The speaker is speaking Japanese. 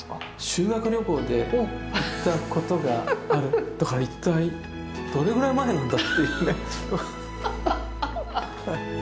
修学旅行で行ったことがあるとか一体どれぐらい前なんだっていうね。